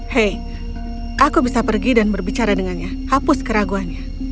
hei aku bisa pergi dan berbicara dengannya hapus keraguannya